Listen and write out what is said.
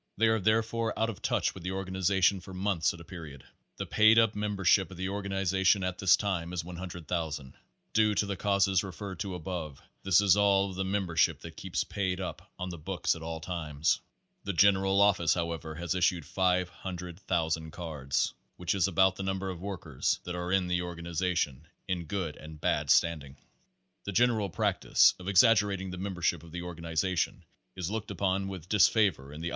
They are therefore out of touch with the organization for months at a period. The paid up membership of the organization at this time is 100,000. Due to the causes referred to above, this is all of the membership that keeps paid up on the books at all times. The general office however has issued 500,000 cards, which is about the number of workers that are in the organization in good and bad standing. The general practice of exaggerating the member ship of the organization is looked upon* with disfavor in the I.